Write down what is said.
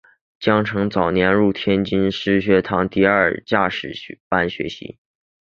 蒋拯早年入天津水师学堂第二届驾驶班学习。